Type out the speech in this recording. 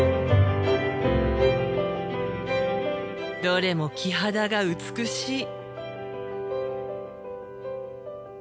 どれも木肌が美しい。